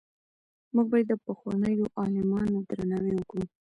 موږ باید د پخوانیو عالمانو درناوی وکړو.